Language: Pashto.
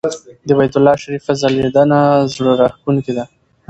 د بیت الله شریفه ځلېدنه زړه راښکونکې ده.